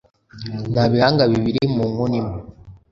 Nta bihanga bibiri mu nkono imwe